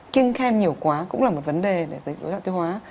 kiêng khem nhiều quá cũng là một vấn đề để giới dụng dạng tiêu hóa